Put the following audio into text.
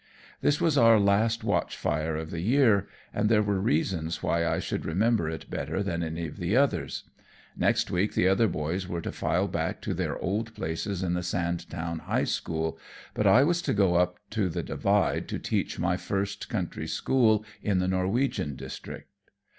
This was our last watch fire of the year, and there were reasons why I should remember it better than any of the others. Next week the other boys were to file back to their old places in the Sandtown High School, but I was to go up to the Divide to teach my first country school in the Norwegian district.